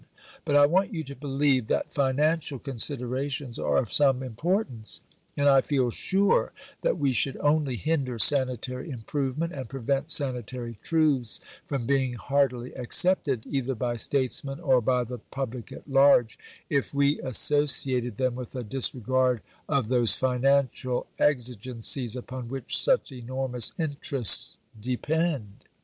But I want you to believe that financial considerations are of some importance; and I feel sure that we should only hinder sanitary improvement, and prevent sanitary truths from being heartily accepted, either by statesmen or by the public at large, if we associated them with a disregard of those financial exigencies upon which such enormous interests depend.